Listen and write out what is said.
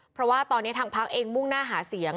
เพราะว่าตอนนี้ทางพักเองมุ่งหน้าหาเสียง